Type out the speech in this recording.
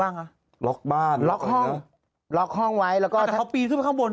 บ้างอ่ะล็อกบ้านล็อกห้องล็อกห้องไว้แล้วก็พี่สู้ไปข้างบน